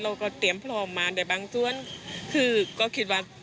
เราก็เตรียมพร้อมมาแต่บางส่วนคือก็คิดว่า